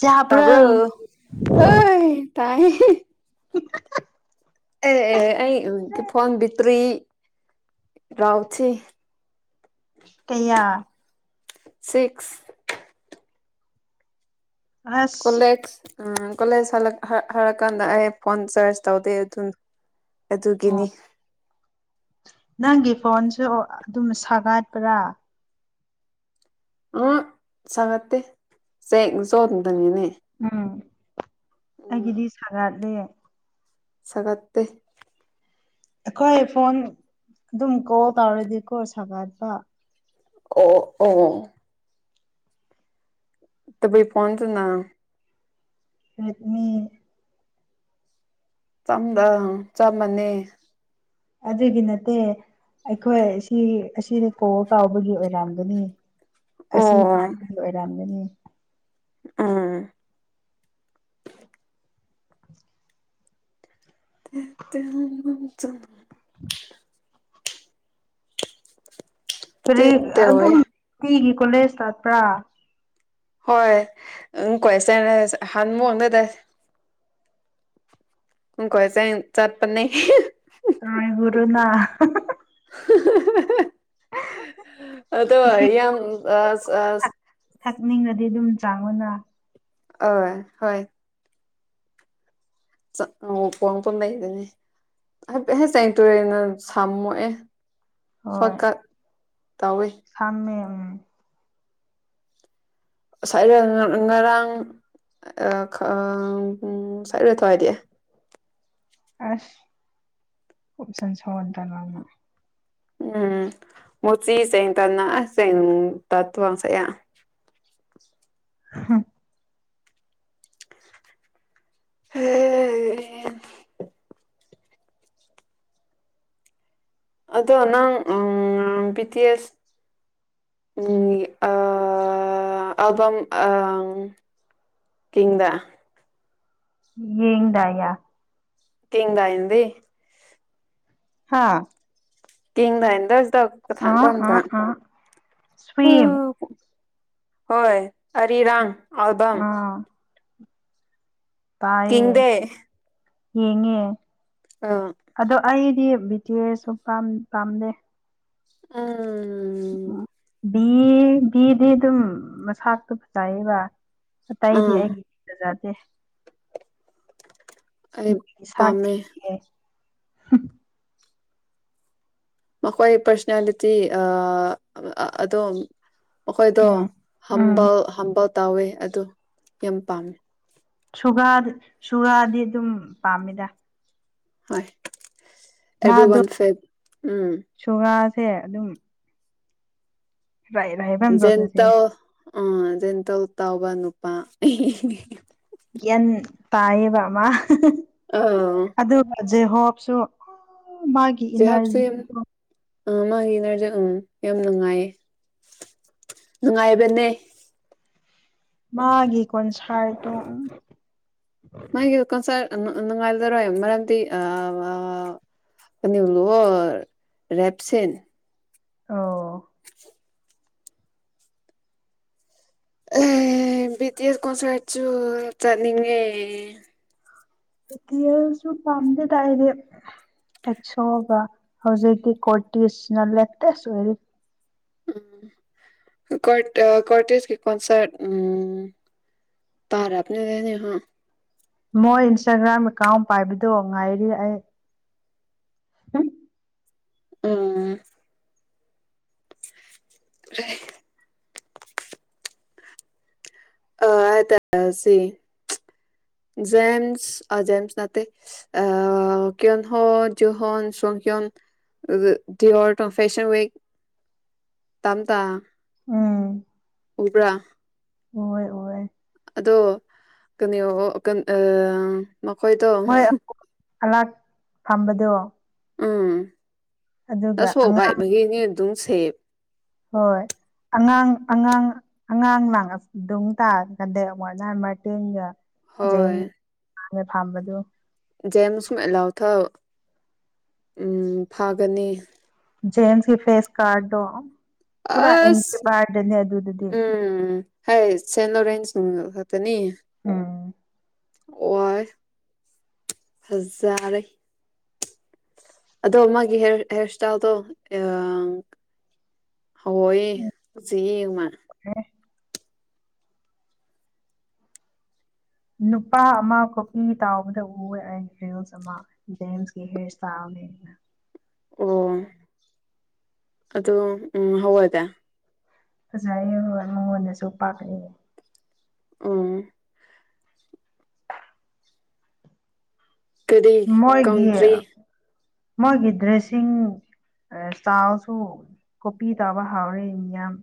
ꯆꯥꯕ꯭ꯔꯣ ꯇꯔꯕ ꯑ ꯇꯥꯏ ꯑꯦ ꯑꯩ ꯐꯣꯟꯣꯟ ꯇꯔꯤ ꯔꯎꯁꯤ ꯀꯌꯥ ꯁꯤꯛꯁ ꯑꯁ ꯀꯣꯂꯦꯛꯁ ꯎꯝ ꯀꯣꯂꯦꯖ ꯍꯥꯏꯜꯔꯛꯀꯥꯟꯗ ꯑꯩ ꯐꯣꯟ ꯆꯥꯔꯖ ꯇꯧꯗꯦ ꯑꯗꯨꯅꯣ ꯑꯣ ꯑꯗꯨꯒꯤꯅꯤ ꯅꯪꯒꯤ ꯐꯣꯟꯁꯨ ꯑꯗꯨꯝ ꯁꯥꯒꯠꯄ꯭ꯔꯥ ꯑ ꯆꯒꯠꯇꯦꯦ ꯁꯣꯗꯅꯤꯅꯦ ꯎꯝ ꯑꯩꯒꯤꯗꯤ ꯁꯥꯒꯥꯠꯂꯦ ꯁꯀꯠꯇ ꯑꯩꯈꯣꯏ ꯐꯣꯟ ꯑꯗꯨꯝ ꯀꯣꯜ ꯇꯧꯔꯗꯤꯀꯣ ꯁꯥꯒꯠꯄ ꯑꯣ ꯑꯣ ꯇꯕꯩ ꯄꯣꯆꯅ ꯔꯠꯃꯤ ꯆꯝꯗ ꯆꯝꯃꯅꯦ ꯑꯗꯨꯒꯤ ꯅꯠꯇꯦ ꯑꯩꯈꯣꯏ ꯁꯤ ꯑꯁꯤꯗ ꯀ ꯀꯥꯎꯕꯒꯤ ꯑꯣꯏꯔꯥꯡꯝꯗꯨꯅꯤ ꯑꯁꯤ ꯑꯣ ꯄꯥ ꯑꯣꯏ ꯌꯥꯅꯤ ꯑꯥ ꯆ ꯐꯦ ꯇꯧꯋꯦ ꯑꯗꯨꯝ ꯀꯣꯂꯦꯖ ꯇꯠꯄ꯭ꯔꯥ ꯍꯣꯏ ꯎ ꯀꯣꯏ ꯑꯍꯥꯟꯕ ꯃꯑꯣꯡꯗꯗ ꯎ ꯀꯣꯏ ꯆꯦ ꯆꯠꯄꯥꯟ ꯔꯣꯏꯒꯨꯔꯨꯅꯥ ꯍꯍꯍꯍ ꯑꯗꯣ ꯏꯁꯤꯡ ꯌꯥꯝ ꯌꯥꯝ ꯑꯁ ꯑꯁ ꯊꯛꯅꯤꯡꯉꯗꯤ ꯑꯗꯨꯝ ꯆꯥꯡ ꯃꯅ ꯑ ꯍꯣꯏ ꯎ ꯄꯣꯡ ꯄꯣꯟ ꯂꯩꯗꯅꯦ ꯍꯥꯏꯐꯦꯠ ꯍꯦ ꯆ ꯇꯨꯔꯦꯅ ꯁꯝꯃꯛꯣꯛꯑꯦ ꯍꯣꯏ ꯁꯣꯏꯀꯔ ꯇꯧꯋꯤ ꯁꯥꯝꯃꯦ ꯎꯝ ꯔ ꯉꯔꯥꯡ ꯁꯥꯏꯔꯣ ꯑꯗꯨꯋꯥꯏꯗꯤ ꯑꯁ ꯁꯟꯁ ꯑꯣꯏ ꯇꯔꯃ ꯎꯝ ꯃꯣꯆꯤ ꯆ ꯇꯥꯟꯅꯦꯡ ꯇꯠꯇꯨ ꯋꯥꯁ ꯍꯥꯝ ꯍ ꯑꯗꯣ ꯅꯪ ꯄꯤ ꯇꯤ ꯑꯦꯁ ꯑꯜꯕꯝꯀꯤꯡꯗ ꯌꯦ ꯇꯌꯥ ꯀ ꯑꯗꯤ ꯍꯥꯥ ꯀꯗ ꯇ ꯑꯥ ꯀꯊꯐꯝꯗ ꯑꯥ ꯎ ꯁ꯭ꯋꯤꯝ ꯍꯣꯏ ꯑꯔꯤꯔꯥꯡ ꯑꯜꯕꯝ ꯑꯥ ꯇꯥꯏꯌꯦ ꯀꯗꯦ ꯌꯦꯡꯉꯦ ꯑꯗꯣ ꯑꯩꯗꯤ ꯇꯦꯔꯁꯨ ꯄꯥꯝꯗꯦ ꯑꯥ ꯎꯝ ꯕꯤ ꯕꯤꯗꯤ ꯑꯗꯨꯝ ꯃꯁꯇꯣ ꯐꯖꯑꯌꯦꯕ ꯍ ꯇꯥꯏꯗꯤ ꯑꯥ ꯑꯩꯖ ꯐ ꯑꯔꯦ ꯄꯥꯝꯃꯦ [inaudible] ꯃꯈꯣꯏ ꯄꯥꯔꯁꯅꯦꯂꯤꯇꯤ ꯑꯗꯨꯣꯝ ꯃꯈꯣꯏꯗꯣ ꯎꯝ ꯎꯝ ꯍꯝꯕ ꯍꯝꯕ ꯇꯥꯎꯋꯦ ꯑꯗꯣ ꯌꯥꯝ ꯄꯥꯝꯃꯦ ꯁꯨꯒꯥ ꯁꯨꯒꯥꯗꯤ ꯑꯗꯨꯝ ꯄꯥꯝꯃꯤꯗ ꯍꯣꯏ ꯑꯦꯚ꯭ꯔꯤ ꯃꯥꯗꯣ ꯋꯥꯟ ꯁꯦꯠ ꯎꯝ ꯁꯦ ꯑꯗꯨꯝ ꯔꯥꯏ ꯔꯥꯏꯕꯝ ꯆꯧꯗꯔꯤꯁꯦ ꯖꯦꯟꯇꯜ ꯑ ꯖꯦꯟꯇꯜ ꯇꯥꯎꯕ ꯅꯨꯄꯥ ꯌꯦꯟ ꯇꯥꯏꯌꯦꯕ ꯃꯥ ꯑꯥ ꯖꯦ ꯍꯣꯞꯁꯨ ꯃꯥꯒꯤ ꯏꯅꯔꯖꯤ [unintelligible] ꯑ ꯃꯥꯒꯤ ꯅꯔꯖꯤ ꯎꯝ ꯌꯥꯝ ꯅꯨꯡꯉꯥꯏꯌꯦ ꯅꯨꯡꯉꯥꯏꯕꯅꯦ ꯃꯥꯒꯤ ꯀꯣꯟꯁꯥꯏꯗꯣ ꯃꯥꯒꯤ ꯀꯣꯟꯁꯔꯗ ꯅꯨꯡꯉꯥꯏꯖꯔꯣꯏ ꯃꯔꯝꯗꯤ ꯑ ꯀꯅꯤ ꯂꯑꯣ ꯔꯦꯞꯁꯤꯟ ꯑꯣ ꯑ ꯕꯤꯇꯤ ꯑꯦꯁ ꯀꯣꯟꯁꯔꯠꯁꯨ ꯆꯠꯅꯤꯡꯉꯦ ꯇꯤ ꯑꯦꯁꯁꯨ ꯄꯥꯝꯗꯦꯇ ꯑꯩꯗꯤ ꯑꯦꯛꯁꯣꯒ ꯍꯧꯖꯤꯛꯇꯤ ꯀꯣꯔꯇꯤꯁꯅ ꯂꯦꯇꯦꯁ ꯑꯣꯏꯔꯤ ꯎꯝ ꯀꯣꯔ ꯀꯣꯠꯇꯦꯖꯀꯤ ꯀꯣꯟꯁꯔꯠ ꯎꯝ ꯇꯥꯔꯅꯦ [unintelligible] ꯃꯣꯏ ꯏꯟꯁꯇꯥꯒ꯭ꯔꯥꯝ ꯑꯦꯀꯥꯎꯟ ꯄꯥꯏꯕꯗꯣ ꯉꯥꯏꯔꯤ ꯑꯩ ꯑꯝ ꯔꯩ ꯑ ꯇ ꯁꯤ ꯖꯦꯟꯁ ꯑ ꯖꯦꯝꯁ ꯅꯇꯩ ꯑ ꯀꯌꯣꯟ ꯍꯣ ꯖꯨꯍꯣꯟ ꯁꯣꯡ ꯀꯌꯣꯟ ꯇꯌꯣ ꯇ ꯐꯦꯁꯟ ꯇꯝ ꯇ ꯎꯝ ꯎꯕ꯭ꯔꯥ ꯎꯋꯦ ꯎꯋꯦ ꯑꯗꯣ ꯀꯅꯤꯌꯣ ꯀꯟ ꯑ ꯃꯈꯣꯏꯗꯣ ꯍꯂꯥꯛ ꯐꯝꯕꯗꯣ ꯎꯝ ꯅ ꯑꯗꯨꯒ ꯁꯣꯒꯥꯏ ꯑꯉꯥꯡ ꯕꯒꯤꯅꯤꯟ ꯗꯨꯡ ꯁꯦꯞ ꯍꯣꯏ ꯑꯉꯥꯡ ꯑꯉꯥꯡ ꯑꯉꯥꯡꯥ ꯂꯥꯡꯉꯛ ꯑꯗꯨꯝ ꯇꯥꯔ ꯀꯥꯟꯗ ꯋꯥꯔꯗ ꯅꯝꯕꯔ ꯇꯦꯟꯒ ꯍꯣꯏ ꯐꯥꯝꯕꯗꯨ ꯖꯦꯝꯁ ꯃꯦ ꯎꯝ ꯐꯥꯒꯅꯤ ꯖꯦꯝꯁꯀꯤ ꯐꯦꯁ ꯀꯥꯔꯗꯣ ꯄꯨꯔꯥ ꯑꯦꯡꯁꯦ ꯑꯁ ꯕꯥꯔꯗꯅꯦ ꯑꯗꯨꯗꯗꯤ ꯍ ꯁꯦꯅꯣ ꯔꯦꯟ ꯁ ꯅꯤ ꯎꯝ ꯑꯣ ꯐꯖꯔꯦ ꯑꯗꯣ ꯃꯥꯒꯤ ꯍꯦꯔ ꯍꯦꯔ ꯏꯁꯇꯥꯏꯜꯗꯣ ꯑ ꯍꯣꯏ ꯁꯤ ꯃꯥ ꯑꯦ ꯅꯨꯄꯥ ꯑꯃ ꯈꯣꯛꯏ ꯇꯥꯎꯕꯗ ꯎ ꯑꯩ ꯔꯤꯜꯁ ꯑꯃ ꯖꯦꯝꯁꯀꯤ ꯍꯦꯌꯔ ꯏꯁꯇꯥꯏꯜꯅꯦꯅ ꯑꯣ ꯑꯗꯨꯒ ꯎꯝ ꯍꯗꯦ ꯑꯣꯖꯥ [unintelligible] ꯃꯉꯣꯟꯗꯁꯨ ꯄꯥꯛꯂꯤ ꯑꯝ ꯀꯔꯤ ꯃꯣꯏꯒꯤ ꯀꯥꯎꯇ꯭ꯔꯤ ꯃꯣꯏꯒꯤ ꯗ꯭ꯔꯦꯁꯤꯡ ꯏꯁꯇꯥꯏꯜꯁꯨ ꯀꯣꯄꯤ ꯇꯥꯕ ꯍꯥꯎꯔꯦ ꯃꯤꯌꯥꯝ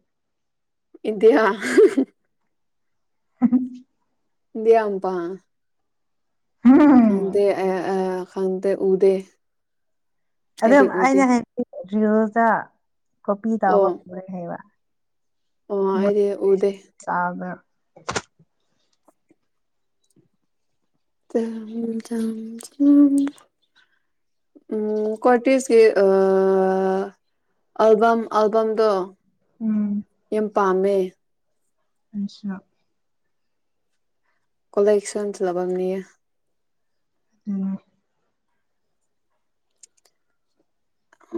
ꯏꯅꯗꯤꯌꯥ [inaudible] ꯏ ꯑꯃꯄꯥ ꯈꯪꯗꯦ ꯑ ꯈꯪꯗꯦ ꯎꯗꯦ ꯑꯗꯨ ꯑꯩꯗꯤ ꯎꯗꯦ ꯑꯩꯅ ꯍꯥꯏ ꯐꯌꯖ [unintelligible] ꯀꯣꯄꯤ ꯑꯣ ꯇꯕꯔꯦ ꯍꯥꯏꯕ ꯑꯣ ꯑꯩꯗꯤ ꯎꯗꯦ ꯆꯕ [inaudible] ꯀꯣꯇꯖꯀꯤ ꯑꯜꯕꯝ ꯑꯜꯕꯝꯗ ꯎꯝ ꯄꯥꯝꯃꯦ ꯑꯆꯥꯥ ꯀꯣꯂꯛꯁꯨꯟꯁꯤꯂꯕꯝꯅꯤ [unintelligible] ꯑꯗꯨꯅ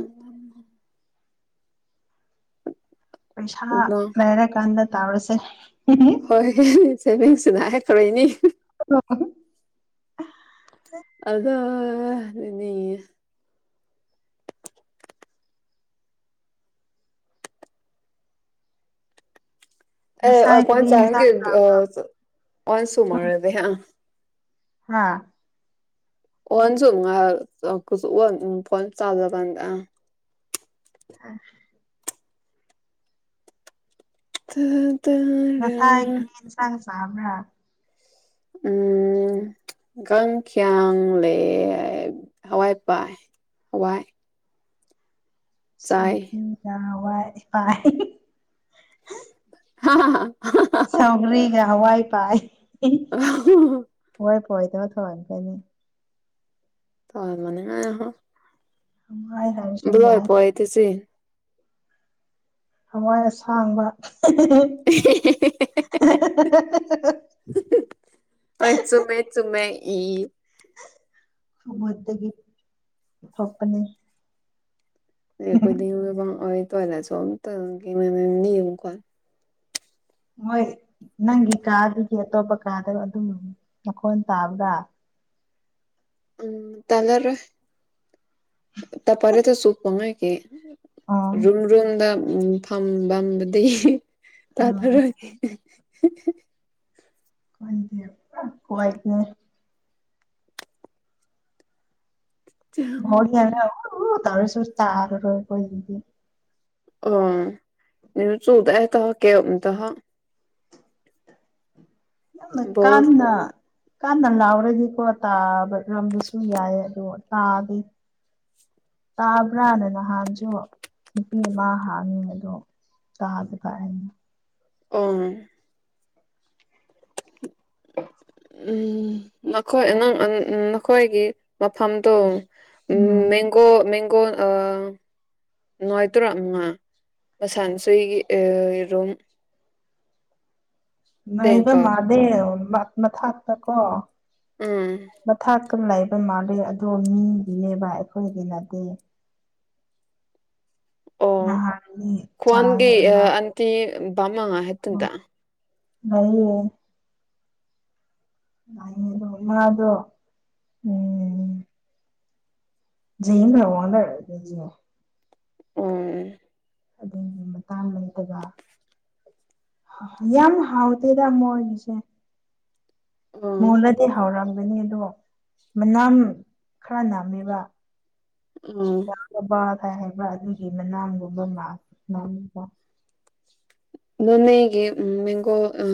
ꯎ ꯄꯩꯁꯥ ꯂꯩꯔ ꯀꯥꯟꯗ ꯇꯥꯎꯔꯁꯦ ꯍꯣꯏ ꯁꯦꯚꯤꯡꯁꯤꯅ ꯍꯥꯏꯈꯔꯣꯏꯅꯤ [unintelligible] ꯑꯗ [unintelligible] ꯑꯅꯤ ꯑꯦ ꯑꯣ ꯉꯁꯥꯏ ꯐꯟ ꯀꯔꯤ ꯆꯥꯏꯦ ꯌꯦꯟꯁꯥꯡ ꯐꯟꯁꯨꯃꯔꯗꯤ ꯑ ꯍꯥꯥ ꯑꯣꯍꯟꯁꯨ ꯐꯣꯟ ꯆꯖꯀꯥꯟꯗ [unintelligible] ꯍ ꯑ [unintelligible] ꯉꯁꯥꯏꯈꯅꯤ ꯆ ꯄꯥꯝꯕꯔꯥ ꯎꯝ ꯀꯥꯡꯪꯈ꯭ꯌꯥꯡ ꯂꯩ ꯍꯋꯥꯏꯄꯥꯏ ꯍꯋꯥꯏ ꯆꯥꯏ ꯁꯃꯤꯗ ꯋꯥꯏ ꯐꯥꯏ ꯍꯥ ꯁꯧꯒꯔꯤꯒ ꯍꯋꯥꯏ ꯄꯥꯏ ꯋꯥꯏ ꯍꯣꯏꯗ ꯊꯅ ꯀꯥꯏꯅꯦ ꯇ ꯃꯅꯤ ꯑꯣ ꯍꯋꯥꯏ ꯍꯥꯏꯔꯁꯨ ꯂꯣꯏ ꯌꯥꯏ ꯄꯣꯏꯇ ꯁꯤ ꯍꯋꯥꯏ ꯑꯁꯥꯡꯕ [inaudible] ꯁꯨꯝꯃꯦ ꯏ ꯃꯠꯇꯗꯒꯤ ꯊꯣꯛꯄꯅꯦ [unintelligible] ꯇꯂ ꯆ ꯑꯣ ꯇꯅꯤ ꯌꯦ ꯀꯣ ꯍꯣꯏ ꯅꯪꯒꯤ ꯀꯥꯗꯒꯤ ꯑꯇꯣꯞꯄ ꯀꯥꯗ ꯑꯗꯨꯝ ꯃꯈꯣꯟ ꯇꯥꯕꯒ ꯎꯝ ꯇꯂꯔ ꯇ ꯄꯔꯦꯗ ꯆꯨ ꯋꯥꯉ ꯀꯦ ꯑꯣ ꯔꯨꯝ ꯔꯨꯝ ꯗ ꯎꯝ ꯐꯝꯕꯗꯤ ꯑ ꯇ ꯐꯔ [inaudible] ꯀꯏꯗꯦ ꯀꯏꯗ [inaudible] ꯇ ꯇꯥꯔ ꯑꯣꯏꯕꯗꯤ ꯑ ꯅ ꯆꯗ ꯇ ꯀꯦꯗ ꯑ ꯕꯣꯜ ꯀꯥꯟꯗ ꯀꯥꯟꯟꯅ ꯂꯥꯎꯔꯗꯤꯀꯣ ꯇꯥꯕꯔꯝꯕꯁꯨ ꯌꯥꯏ ꯑꯗ ꯇꯥꯗꯤ ꯇꯥꯕ꯭ꯔꯥꯅꯅ ꯅꯍꯥꯟꯁꯨ ꯅꯨꯄꯤ ꯑꯃ ꯍ ꯃꯗꯨ ꯇꯥꯗ ꯀ ꯑꯥ [inaudible] ꯎ ꯅꯈꯣꯏ ꯑ ꯅꯈꯣꯏꯒꯤ ꯃꯐꯝꯗꯣ ꯎꯝ ꯎꯝ ꯃꯦꯡꯒꯣ ꯃ ꯀꯣꯟ ꯅꯣꯡꯉꯥꯏꯇꯔꯥ ꯑꯃꯉꯥ ꯃꯁꯥꯟꯅꯁꯒꯤꯔꯨꯝ ꯅ ꯏꯒ ꯃꯗꯦ ꯠꯅ ꯊꯥꯛ ꯇ ꯀꯣ ꯑꯥ ꯀꯝ ꯂꯩꯕ ꯃꯥꯜꯂꯤ ꯑꯗꯣ ꯃꯤꯒꯤꯅꯦꯕ ꯑꯩꯈꯣꯏꯒꯤꯅꯗꯤ ꯑꯣ ꯅꯍꯥꯟꯅꯤ ꯆꯥꯏ ꯈ꯭ꯋꯥꯥꯟꯗꯤꯑ ꯑꯃ ꯑꯇꯤ ꯃ ꯍꯠꯇꯠꯇ ꯉꯌꯦ ꯑ ꯑꯗꯨ ꯎꯃꯥꯗꯣ ꯎꯝ ꯍꯗ ꯎꯝ ꯑꯗꯨꯒꯤ ꯃꯇꯥꯡ ꯂꯩꯇꯕ ꯌꯥꯝ ꯍꯥꯎꯇꯦꯗ ꯃꯣꯏꯒꯤꯁꯦ ꯎꯝ ꯃꯂꯗꯤ ꯍꯧꯥꯎꯔꯝ ꯑꯗꯣ ꯃꯅꯥꯝ ꯈꯔ ꯅꯅꯥꯝꯃꯦꯕ ꯎꯝ ꯄꯈꯥꯏ ꯍꯥꯏꯕ ꯑꯗꯨꯒꯤ ꯃꯅꯥꯝꯒꯨꯝꯕ ꯃꯥ ꯅꯣꯅꯦꯒꯤ ꯎ ꯃꯦꯡꯒꯣ ꯎ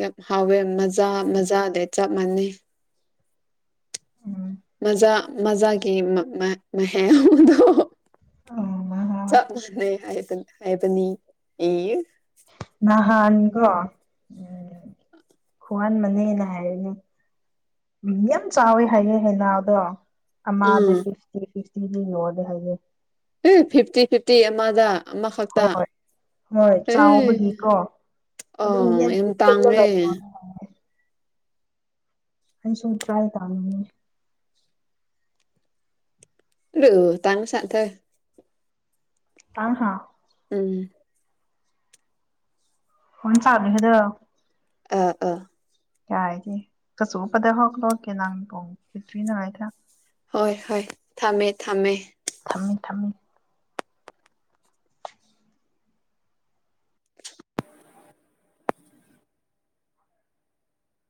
ꯌꯥꯝ ꯍꯥꯎꯋꯦ ꯃꯖꯥ ꯃꯖꯥꯗꯩ ꯆꯞ ꯃꯥꯟꯅꯩ ꯎꯝ ꯃꯖꯥ ꯃꯖꯥꯒꯤꯗꯣ ꯎꯝ ꯆꯅꯦ ꯍꯥꯏ ꯑ ꯅ ꯅꯍꯪꯒꯣ ꯎ ꯋꯥꯍꯟ ꯃꯅꯦꯅ ꯍꯥꯏꯔꯤꯅꯦ ꯃꯤ ꯌꯥꯝ ꯆꯋ ꯍꯥꯏꯩꯌꯦꯦ ꯍꯥꯏꯅꯗꯣ ꯑ ꯃꯥꯥꯗ ꯎꯝ ꯐꯤꯁꯇꯤ ꯋꯥꯗ ꯍꯥꯏꯌꯦꯦ ꯎ ꯐꯤꯞꯇꯤ ꯐꯤꯐꯇꯤ ꯑꯃꯥꯗ ꯍꯣꯏ ꯍꯣꯏ ꯑꯦ ꯆꯥꯎꯕꯒꯤꯀꯣ ꯑꯗꯨꯝ ꯑꯣ ꯌꯥꯝ ꯇꯥꯡꯉꯦ ꯑꯩ ꯁꯨꯝ ꯇ꯭ꯔꯥꯏ ꯇꯥꯅꯤꯡꯉ ꯑ ꯇꯥꯡ ꯁꯇ ꯑꯥ ꯍꯥꯥ ꯎꯝ ꯍꯟ ꯆꯥꯕꯤꯈꯗ ꯑꯥ ꯑꯥ ꯀꯒꯦ ꯀꯁꯨ ꯎꯄꯗ ꯍꯣꯛ ꯂꯣꯛꯀꯦ ꯅꯪ ꯄꯣꯡ ꯄꯤꯇ꯭ꯔꯤ ꯅꯉꯥꯏꯗ ꯍꯣꯏ ꯍꯣꯏ ꯊꯝꯃꯦ ꯊꯝꯃꯦ ꯊꯝꯃꯤꯜ ꯊꯝꯃꯤꯜ [inaudible]